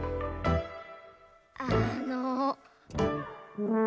あの。